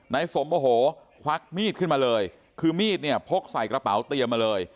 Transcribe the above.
นายสมโอ้โหควักมีดขึ้นมาเลยคือมีดเนี่ยพกใส่กระเป๋าเตรียมมาเลย